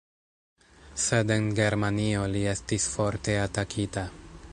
Sed en germanio li estis forte atakita.